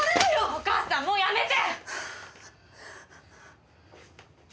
お母さんもうやめて！